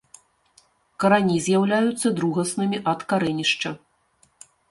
Карані з'яўляюцца другаснымі ад карэнішча.